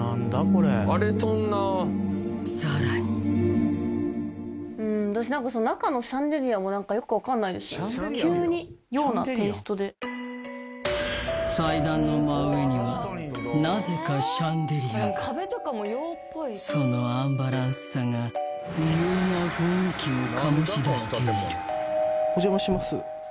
さらにうん私何かその急に洋なテイストで祭壇の真上にはなぜかシャンデリアがそのアンバランスさが異様な雰囲気を醸し出しているお邪魔します